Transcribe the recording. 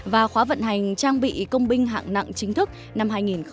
và khóa vận hành trang bị công binh hạng nặng chính thức năm hai nghìn một mươi chín